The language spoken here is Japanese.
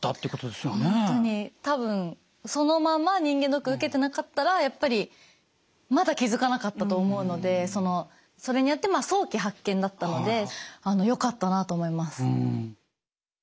多分そのまま人間ドック受けてなかったらやっぱりまだ気付かなかったと思うのでそれによって早期発見だったのでよかったなと思います。